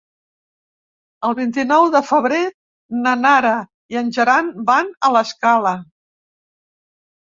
El vint-i-nou de febrer na Nara i en Gerard van a l'Escala.